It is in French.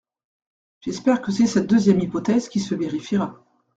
J’espère que c’est cette deuxième hypothèse qui se vérifiera.